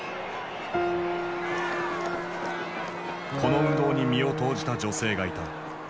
この運動に身を投じた女性がいた。